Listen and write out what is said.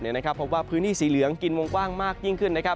พบว่าพื้นที่สีเหลืองกินวงกว้างมากยิ่งขึ้น